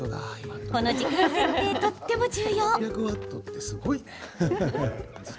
この時間設定、とっても重要。